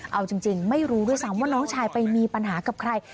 เอาจริงไม่รู้ด้วยซ้ำว่าน้องชายไปมีปัญหากับใคร